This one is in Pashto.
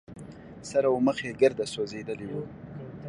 سر او مخ يې ګرده سوځېدلي وو.